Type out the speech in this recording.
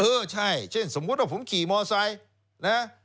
เออใช่เช่นสมมุติว่าผมขี่มอไซค์นะ